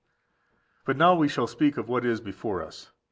But now we shall speak of what is before us.